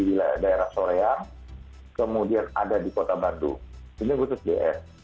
di daerah soreang kemudian ada di kota bandung ini khusus ds